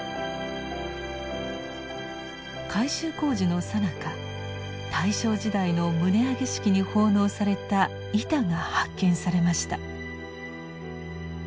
改修工事のさなか大正時代の棟上げ式に奉納された板が発見されました。